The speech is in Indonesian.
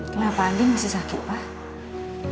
kenapa andi masih sakit pak